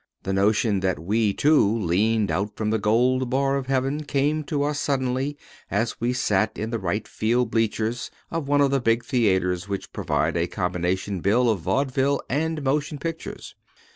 The notion that we too leaned out from the gold bar of heaven came to us suddenly as we sat in the right field bleachers of one of the big theaters which provide a combination bill of vaudeville and motion pictures.